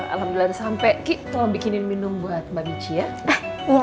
alhamdulillah sampai kita bikinin minum buat mbak michi ya iya